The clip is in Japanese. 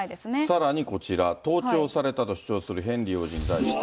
さらに、こちら、盗聴されたと主張するヘンリー王子に対して。